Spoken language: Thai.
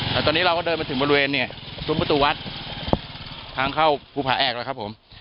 แต่ตอนนี้เราก็เดินมาถึงบริเวณนี้สุนประตูวัดทางเข้าภูมิภาแอ๊กนะครับผม